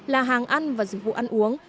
là hàng ăn và dịch vụ ăn uống